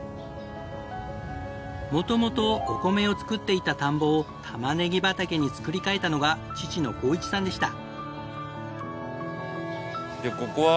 元々お米を作っていた田んぼをたまねぎ畑に作り変えたのが父の講一さんでした。